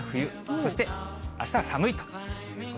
そして、あしたは寒いということ